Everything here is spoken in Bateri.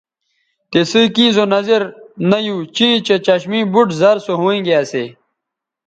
تِسئ کیں زو نظر نہ یو چیں چہء چشمے بُٹ زر سو ھوینگے اسی